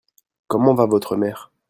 Comment va votre mère ?